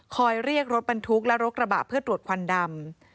เรียกรถบรรทุกและรถกระบะเพื่อตรวจควันดำ